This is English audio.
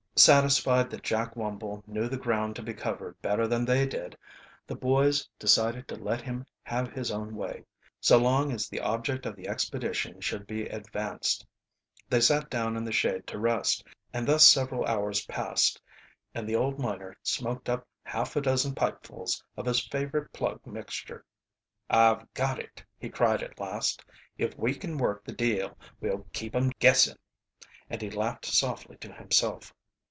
Satisfied that Jack Wumble knew the ground to be covered better than they did, the boys decided to let him have his own way, so long as the object of the expedition should be advanced. They sat down in the shade to rest, and thus several hours passed, and the old miner smoked up half 'a dozen pipefuls of his favorite plug mixture. "I've got it," he cried at last. "If we kin work the deal we'll keep 'em guessing." And he laughed softly to himself.